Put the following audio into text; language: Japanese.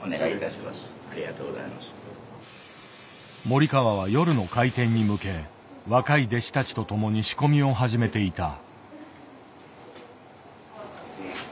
森川は夜の開店に向け若い弟子たちと共に仕込みを始めていた。